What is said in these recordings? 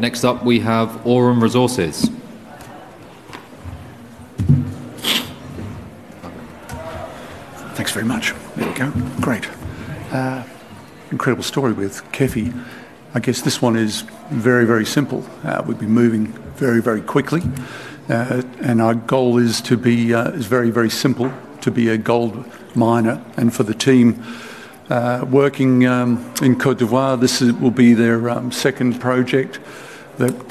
Next up, we have Aurum Resources. Thanks very much. There we go. Great. Incredible story with Kefi. I guess this one is very, very simple. We've been moving very, very quickly, and our goal is to be, is very, very simple to be a gold miner. And for the team, working in Côte d'Ivoire, this will be their second project that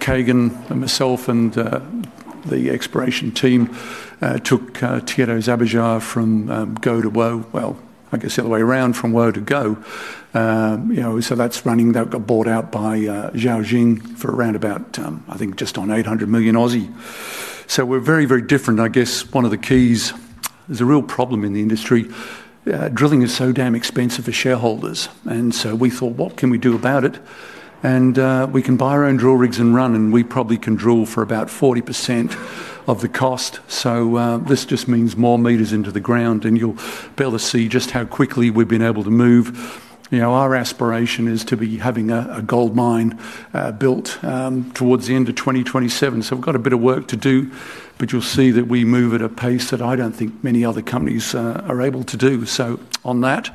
Kagan, myself, and the exploration team took, Tiétto Abujar, from go to well, I guess the other way around, from where to go. You know, so that's running that got bought out by Zhaoxin Mining for around about, I think just on 800 million. So we're very, very different. I guess one of the keys is a real problem in the industry. Drilling is so damn expensive for shareholders. And so we thought, what can we do about it? We can buy our own drill rigs and run, and we probably can drill for about 40% of the cost. This just means more meters into the ground, and you'll be able to see just how quickly we've been able to move. You know, our aspiration is to be having a gold mine built towards the end of 2027. We've got a bit of work to do, but you'll see that we move at a pace that I don't think many other companies are able to do. On that,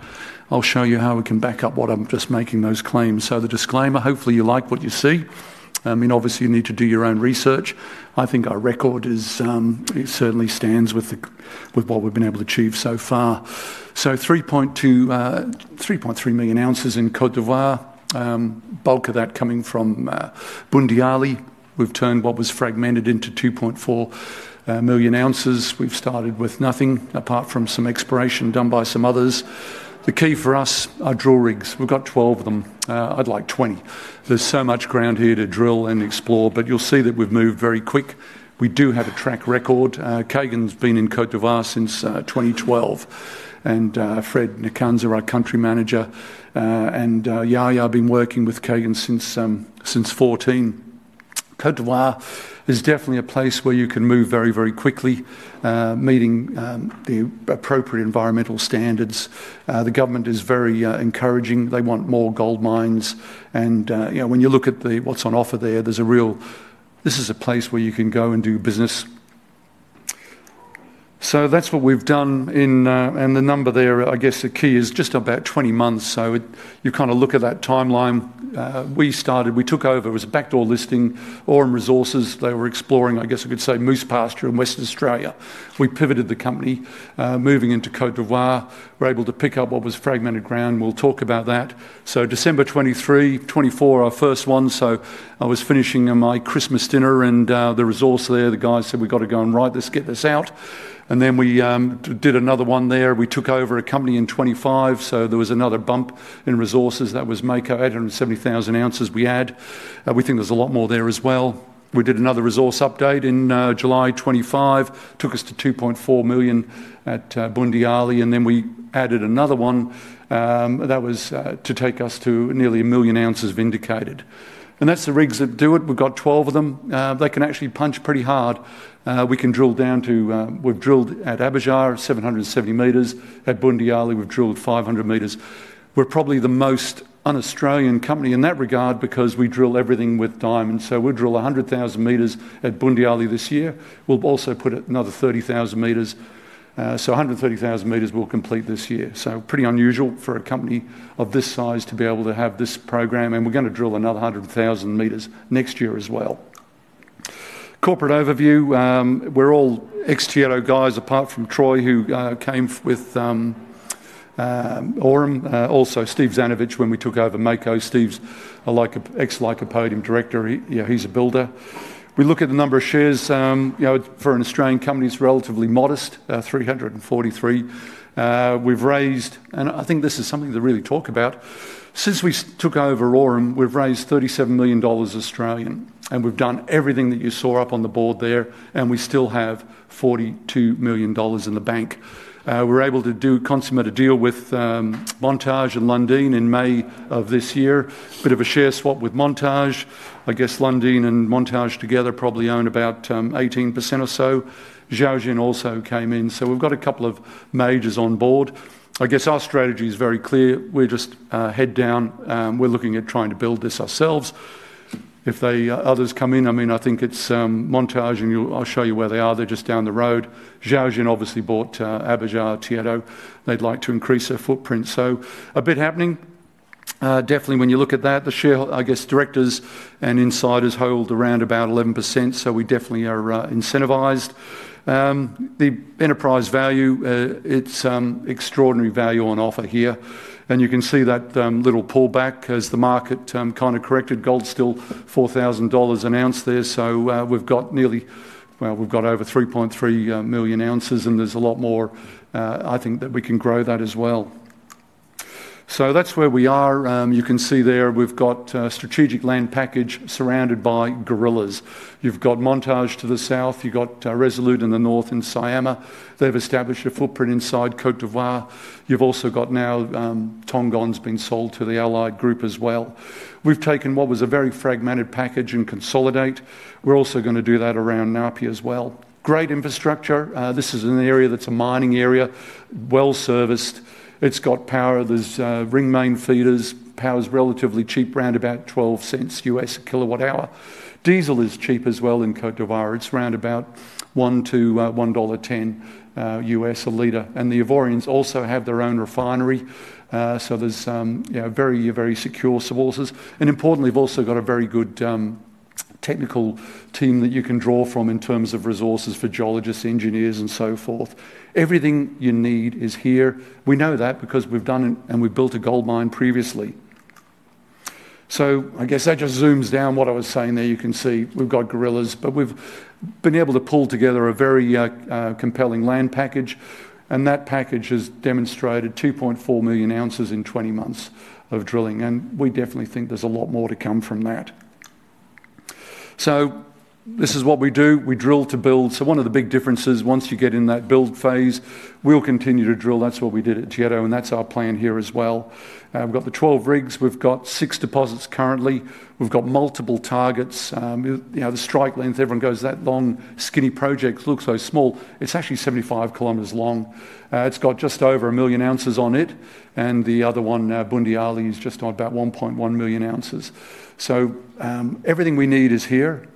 I'll show you how we can back up what I'm just making those claims. The disclaimer hopefully, you like what you see. I mean, obviously, you need to do your own research. I think our record is, it certainly stands with what we've been able to achieve so far. 3.2, 3.3 million ounces in Côte d'Ivoire, bulk of that coming from Bundiali. We've turned what was fragmented into 2.4 million ounces. We've started with nothing apart from some exploration done by some others. The key for us are drill rigs. We've got 12 of them. I'd like 20. There's so much ground here to drill and explore, but you'll see that we've moved very quick. We do have a track record. Kagan's been in Côte d'Ivoire since 2012, and Fred N'kanzo, our country manager, and Yaya, been working with Kagan since 2014. Côte d'Ivoire is definitely a place where you can move very, very quickly, meeting the appropriate environmental standards. The government is very encouraging. They want more gold mines. And, you know, when you look at what's on offer there, there's a real—this is a place where you can go and do business. That's what we've done in, and the number there, I guess the key is just about 20 months. You kind of look at that timeline. We started, we took over, it was a backdoor listing. Aurum Resources, they were exploring, I guess you could say, moose pasture in Western Australia. We pivoted the company, moving into Côte d'Ivoire. We were able to pick up what was fragmented ground. We'll talk about that. December 2023, 2024, our first one. I was finishing my Christmas dinner, and the resource there, the guy said, "We've got to go and write this, get this out." Then we did another one there. We took over a company in 2025. There was another bump in resources. That was MACO, 870,000 ounces we had. We think there's a lot more there as well. We did another resource update in July 2025. Took us to 2.4 million at Bundiali. And then we added another one, that was, to take us to nearly a million ounces vindicated. And that's the rigs that do it. We've got 12 of them. They can actually punch pretty hard. We can drill down to, we've drilled at Abujar, 770 meters. At Bundiali, we've drilled 500 meters. We're probably the most un-Australian company in that regard because we drill everything with diamonds. We will drill 100,000 meters at Bundiali this year. We'll also put another 30,000 meters, so 130,000 meters we'll complete this year. Pretty unusual for a company of this size to be able to have this program. We're going to drill another 100,000 meters next year as well. Corporate overview, we're all ex-Tiétto guys apart from Troy who came with Aurum. Also Steve Zanavich when we took over MACO. Steve's like a ex-Lycopodium director. He, you know, he's a builder. We look at the number of shares, you know, for an Australian company is relatively modest, 343. We've raised, and I think this is something to really talk about. Since we took over Aurum, we've raised 37 million Australian dollars. And we've done everything that you saw up on the board there. And we still have 42 million dollars in the bank. We're able to consummate a deal with Montage and Lundine in May of this year. Bit of a share swap with Montage. I guess Lundine and Montage together probably own about 18% or so. Zhaoxin also came in. So we've got a couple of majors on board. I guess our strategy is very clear. We're just, head down. We're looking at trying to build this ourselves. If they, others come in, I mean, I think it's Montage, and you'll, I'll show you where they are. They're just down the road. Zhaoxin obviously bought Abujar, Tiétto. They'd like to increase their footprint. So a bit happening. Definitely when you look at that, the share, I guess directors and insiders hold around about 11%. So we definitely are incentivized. The enterprise value, it's extraordinary value on offer here. And you can see that little pullback as the market kind of corrected. Gold still $4,000 an ounce there. We've got nearly, well, we've got over 3.3 million ounces, and there's a lot more, I think that we can grow that as well. That's where we are. You can see there we've got a strategic land package surrounded by gorillas. You've got Montage to the south. You've got Resolute in the north in Siama. They've established a footprint inside Côte d'Ivoire. You've also got now, Tongon is being sold to Allied Gold as well. We've taken what was a very fragmented package and consolidated. We're also going to do that around NAPI as well. Great infrastructure. This is an area that's a mining area, well serviced. It's got power. There are ring main feeders. Power's relatively cheap, around $0.12 a kilowatt hour. Diesel is cheap as well in Côte d'Ivoire. It's around $1.10 a liter. The Ivorians also have their own refinery, so there's, you know, very, very secure sources. Importantly, we've also got a very good technical team that you can draw from in terms of resources for geologists, engineers, and so forth. Everything you need is here. We know that because we've done and we've built a gold mine previously. I guess that just zooms down what I was saying there. You can see we've got gorillas, but we've been able to pull together a very, compelling land package. That package has demonstrated 2.4 million ounces in 20 months of drilling. We definitely think there's a lot more to come from that. This is what we do. We drill to build. One of the big differences, once you get in that build phase, we'll continue to drill. That's what we did at Tiétto, and that's our plan here as well. We've got the 12 rigs. We've got six deposits currently. We've got multiple targets. You know, the strike length, everyone goes, "That long skinny project looks so small." It's actually 75 kilometers long. It's got just over a million ounces on it. The other one, Boundiali, is just on about 1.1 million ounces. Everything we need is here.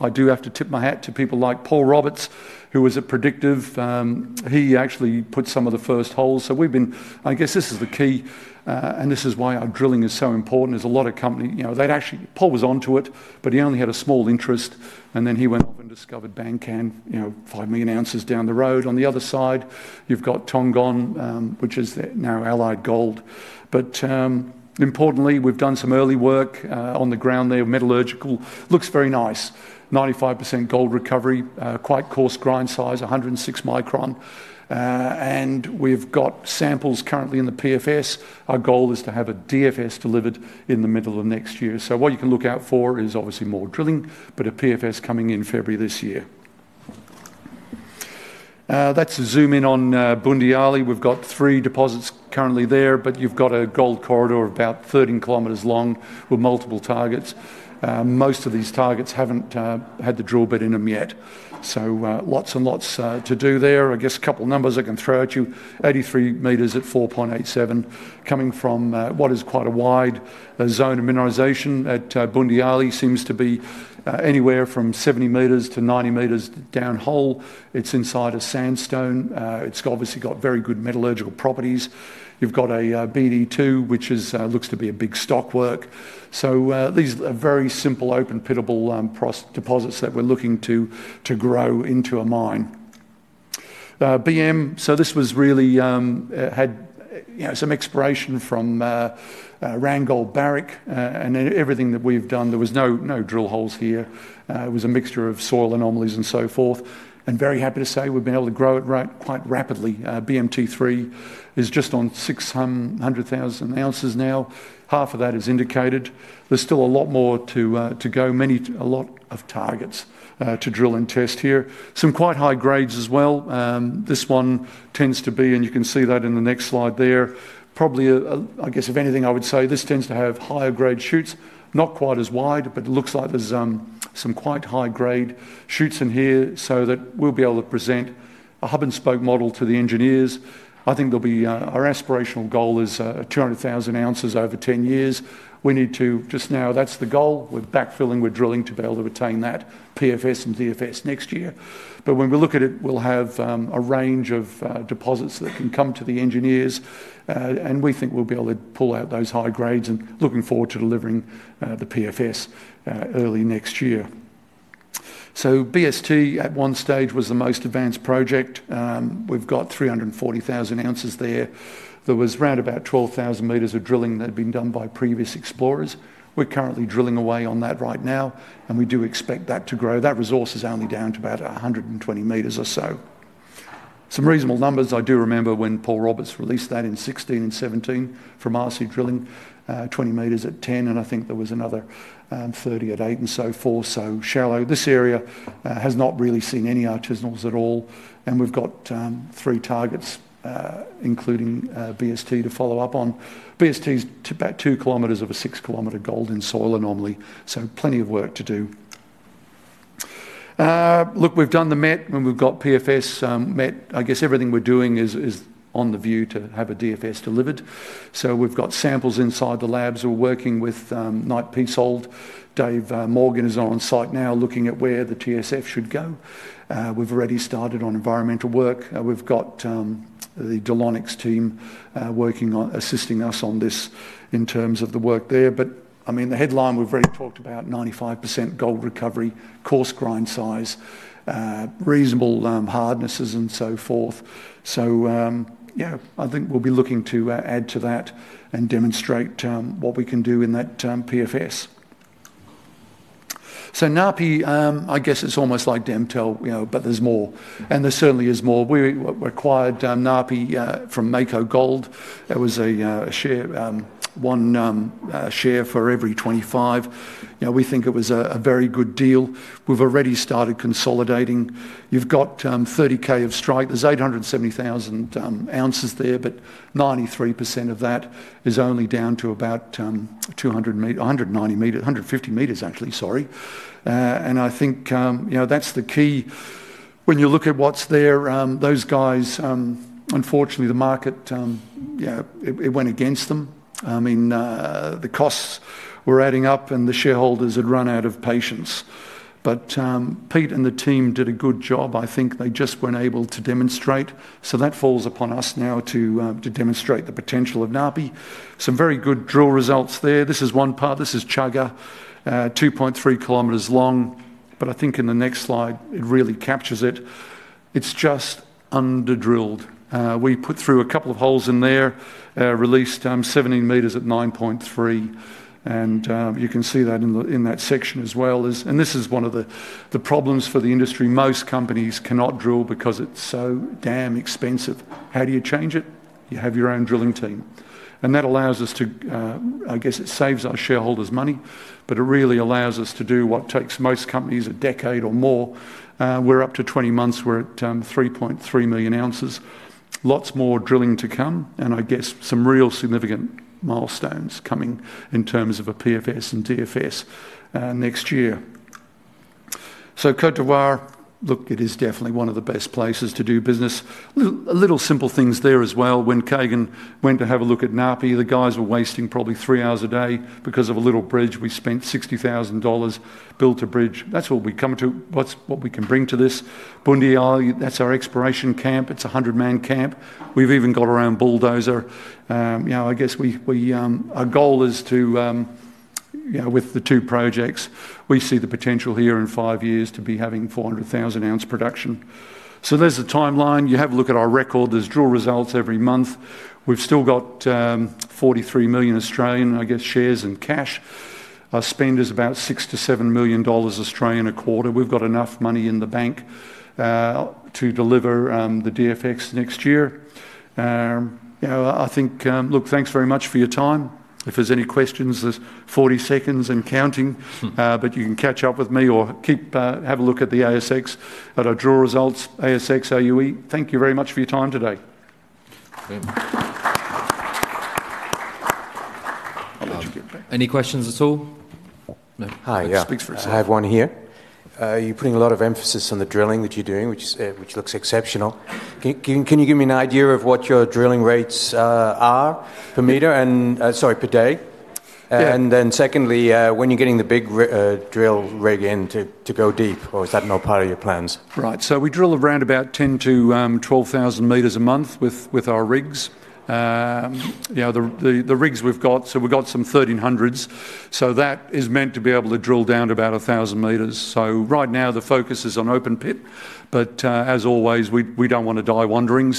I do have to tip my hat to people like Paul Roberts, who was a predictive, he actually put some of the first holes. We've been, I guess this is the key, and this is why our drilling is so important. There's a lot of company, you know, they'd actually, Paul was onto it, but he only had a small interest. He went off and discovered Bank Can, you know, 5 million ounces down the road. On the other side, you've got Tongon, which is now Allied Gold. Importantly, we've done some early work on the ground there. Metallurgical looks very nice. 95% gold recovery, quite coarse grind size, 106 micron. We've got samples currently in the PFS. Our goal is to have a DFS delivered in the middle of next year. What you can look out for is obviously more drilling, but a PFS coming in February this year. That's a zoom in on Boundiali. We've got three deposits currently there, but you've got a gold corridor of about 13 kilometers long with multiple targets. Most of these targets haven't had the drill bit in them yet. Lots and lots to do there. I guess a couple of numbers I can throw at you. 83 meters at 4.87 coming from what is quite a wide zone of mineralization at Boundiali seems to be anywhere from 70 meters to 90 meters down hole. It's inside a sandstone. It's obviously got very good metallurgical properties. You've got a BD2, which looks to be a big stockwork. These are very simple open pittable pross deposits that we're looking to grow into a mine. BM, this was really, had, you know, some exploration from Randgold Barrick, and everything that we've done. There was no drill holes here. It was a mixture of soil anomalies and so forth. Very happy to say we've been able to grow it quite rapidly. BMT3 is just on 600,000 ounces now. Half of that is indicated. There's still a lot more to go. Many targets to drill and test here. Some quite high grades as well. This one tends to be, and you can see that in the next slide there, probably a, I guess if anything, I would say this tends to have higher grade chutes. Not quite as wide, but it looks like there's some quite high grade chutes in here so that we'll be able to present a hub and spoke model to the engineers. I think there'll be, our aspirational goal is, 200,000 ounces over 10 years. We need to just now, that's the goal. We're backfilling, we're drilling to be able to retain that PFS and DFS next year. When we look at it, we'll have, a range of, deposits that can come to the engineers. We think we'll be able to pull out those high grades and looking forward to delivering, the PFS, early next year. BST at one stage was the most advanced project. We've got 340,000 ounces there. There was round about 12,000 meters of drilling that had been done by previous explorers. We're currently drilling away on that right now. We do expect that to grow. That resource is only down to about 120 meters or so. Some reasonable numbers. I do remember when Paul Roberts released that in 2016 and 2017 from RC Drilling, 20 meters at 10. And I think there was another, 30 at eight and so forth. So shallow. This area has not really seen any artisanals at all. And we've got three targets, including BST to follow up on. BST's about 2 kilometers of a 6 kilometer gold in soil anomaly. So plenty of work to do. Look, we've done the MET when we've got PFS. MET, I guess everything we're doing is on the view to have a DFS delivered. So we've got samples inside the labs. We're working with Knight Piesold. Dave Morgan is on site now looking at where the TSF should go. We've already started on environmental work. We've got the Delonics team working on assisting us on this in terms of the work there. I mean, the headline, we've already talked about 95% gold recovery, coarse grind size, reasonable hardnesses and so forth. Yeah, I think we'll be looking to add to that and demonstrate what we can do in that PFS. NAPI, I guess it's almost like DEMTEL, you know, but there's more. There certainly is more. We acquired NAPI from MACO Gold. It was a share, one share for every 25. You know, we think it was a very good deal. We've already started consolidating. You've got 30 km of strike. There's 870,000 ounces there, but 93% of that is only down to about 200 meters, 190 meters, 150 meters actually, sorry. I think, you know, that's the key. When you look at what's there, those guys, unfortunately the market, you know, it went against them. I mean, the costs were adding up and the shareholders had run out of patience. Pete and the team did a good job. I think they just were not able to demonstrate. That falls upon us now to demonstrate the potential of NAPI. Some very good drill results there. This is one part. This is Chugga, 2.3 kilometers long. I think in the next slide it really captures it. It is just underdrilled. We put through a couple of holes in there, released 17 meters at 9.3. You can see that in that section as well. This is one of the problems for the industry. Most companies cannot drill because it is so damn expensive. How do you change it? You have your own drilling team. That allows us to, I guess it saves our shareholders money, but it really allows us to do what takes most companies a decade or more. We're up to 20 months. We're at 3.3 million ounces. Lots more drilling to come. I guess some real significant milestones coming in terms of a PFS and DFS next year. Côte d'Ivoire, look, it is definitely one of the best places to do business. A little, a little simple things there as well. When Kagan went to have a look at NAPI, the guys were wasting probably three hours a day because of a little bridge. We spent $60,000, built a bridge. That's what we come to, what we can bring to this. Boundiali, that's our exploration camp. It's a 100 man camp. We've even got our own bulldozer. You know, I guess we, our goal is to, you know, with the two projects, we see the potential here in five years to be having 400,000 ounce production. So there's the timeline. You have a look at our record. There's drill results every month. We've still got 43 million, I guess shares in cash. Our spend is about 6 million-7 million dollars a quarter. We've got enough money in the bank to deliver the DFS next year. You know, I think, look, thanks very much for your time. If there's any questions, there's 40 seconds and counting. You can catch up with me or keep, have a look at the ASX at our drill results, ASX, AUE. Thank you very much for your time today. Any questions at all? No. Hi, speaks for himself. I have one here. You're putting a lot of emphasis on the drilling that you're doing, which is, which looks exceptional. Can you give me an idea of what your drilling rates are per meter and, sorry, per day? And then secondly, when you're getting the big drill rig in to go deep, or is that not part of your plans? Right. So we drill around about 10,000 meters-12,000 meters a month with our rigs. You know, the rigs we've got, so we've got some 1300s. So that is meant to be able to drill down to about 1,000 meters. Right now the focus is on open pit, but, as always, we don't want to die wandering.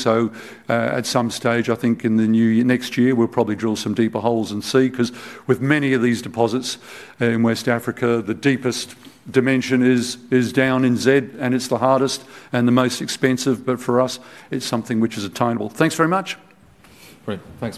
At some stage, I think in the next year, we'll probably drill some deeper holes and see, because with many of these deposits in West Africa, the deepest dimension is down in Z and it's the hardest and the most expensive. For us, it's something which is attainable. Thanks very much. Great. Thanks for.